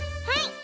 はい。